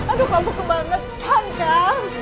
aduh kamu kemana